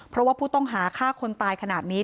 เพราะว่าผู้ต้องหาฆ่าคนตายขนาดนี้